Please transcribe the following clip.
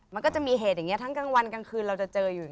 มันก็จะมีเหตุอย่างนี้ทั้งกลางวันกลางคืนเราจะเจออยู่